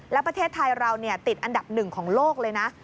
แล้วประเทศไทยเราติดอันดับหนึ่งของโลกเลยนะ